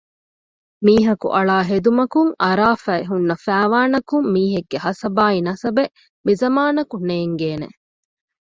މީހަކު އަޅާ ހެދުމަކުން އަރާފައި ހުންނަ ފައިވާނަކުން މީހެއްގެ ހަސަބާއި ނަސަބެއް މިޒަމާނަކު ނޭންގޭނެ